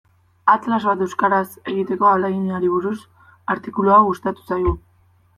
Atlas bat euskaraz egiteko ahaleginari buruz artikulu hau gustatu zaigu.